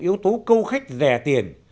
yếu tố câu khách rè tiền